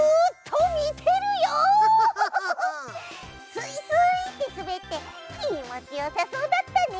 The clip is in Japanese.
すいすいってすべってきもちよさそうだったね！